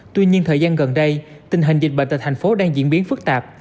tuy nhiên thời gian gần đây tình hình dịch bệnh tại thành phố đang diễn biến phức tạp